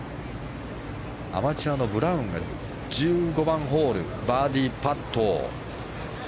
アマチュアのブラウンが１５番ホールバーディーパット。